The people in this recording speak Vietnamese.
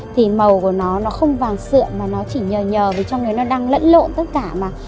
thì màu của nó nó không vàng sợ mà nó chỉ nhờ nhờ trong đấy nó đang lẫn lộn tất cả mà